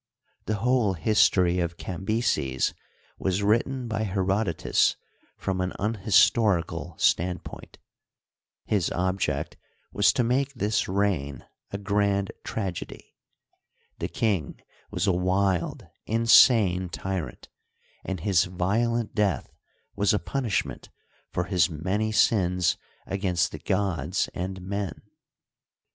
The whole history of Cambyses was written by He^ rodotus from an unhistprical standpoint. His object was to make this reign a grand tragedy : the king was a wild. Digitized byCjOOQlC THE PERSIANS IN EGYPT, 139 insane tyrant, and his violent death was a punishment for his many sins against the gods and men.